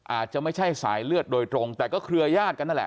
อาจจะไม่ใช่สายเลือดโดยตรงแต่ก็เครือญาติกันนั่นแหละ